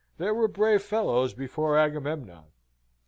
There were brave fellows before Agamemnon."